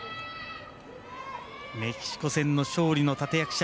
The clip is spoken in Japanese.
メキシコ戦の勝利の立て役者